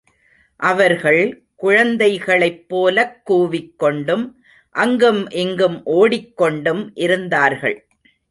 அவர்கள் குழந்தைகளைப் போலக் கூவிக்கொண்டும் அங்கும் இங்கும் ஓடிக்கொண்டும் இருந்தார்கள்.